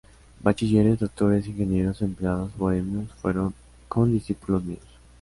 Bachilleres, doctores, ingenieros, empleados, bohemios, fueron condiscípulos míos.